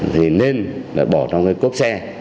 thì nên là bỏ trong cái cốp xe